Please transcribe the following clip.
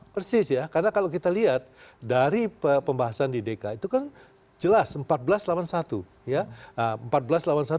persis ya karena kalau kita lihat dari pembahasan di dki itu kan jelas empat belas delapan puluh satu ya